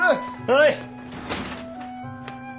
はい！